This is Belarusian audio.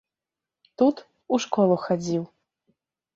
Тут у школу хадзіў.